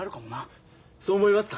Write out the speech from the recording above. そう思いますか？